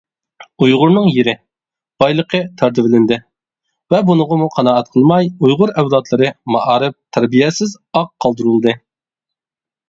ئۇيغۇرنىڭ يېرى، بايلىقى تارتىۋېلىندى ۋە بۇنىڭغىمۇ قانائەت قىلماي ئۇيغۇر ئەۋلادلىرى مائارىپ تەربىيەسىز ئاق قالدۇرۇلدى.